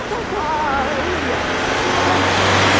あぁいいよいいよレアなんだろ？